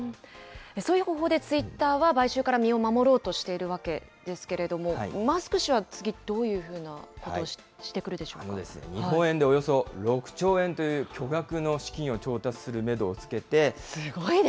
そういう方法で、ツイッターは買収から身を守ろうとしているわけですけれども、マスク氏は次、どういうふうなことをしてくるで日本円でおよそ６兆円という巨額の資金を調達するメドをつけて。